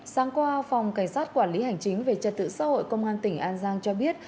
sáng qua phòng cảnh sát quản lý hành chính về trật tự xã hội công an tỉnh an giang cho biết